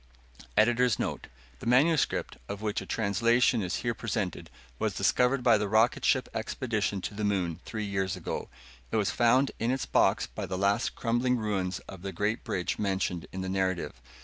[Note: Editor's Note: The manuscript, of which a translation is here presented, was discovered by the rocket ship expedition to the moon three years ago. It was found in its box by the last crumbling ruins of the great bridge mentioned in the narrative.